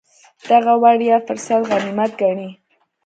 دغه وړیا فرصت غنیمت ګڼي.